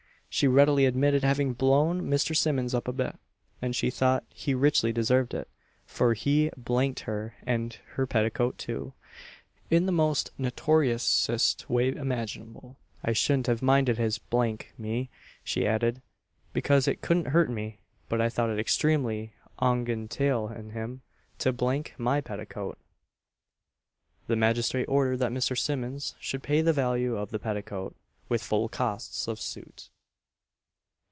She readily admitted having "blown Mr. Simmons up a bit," and she thought he richly deserved it; for he d d her and her petticoat too, in the most notoriousest way imaginable: "I shouldn't have minded his d g me," she added, "because it couldn't hurt me, but I thought it extremely ongenteel in him to d n my petticoat." The magistrate ordered that Mr. Simmons should pay the value of the petticoat, with full costs of suit.